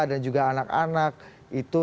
dan juga anak anak itu